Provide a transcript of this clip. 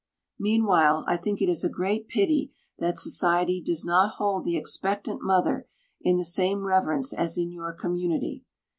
Meanwhile, I think it a great pity that society does not hold the expectant mother in the same reverence as in your community.